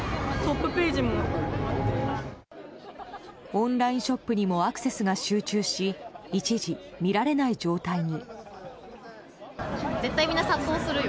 オンラインショップにもアクセスが集中し一時、見られない状態に。